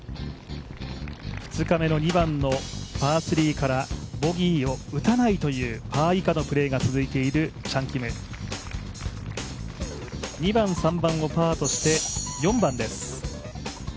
２日目の２番のパー３からボギーを打たないというパー以下のプレーが続いているチャン・キム２番、３番をパーとして４番です。